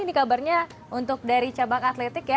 ini kabarnya untuk dari cabang atletik ya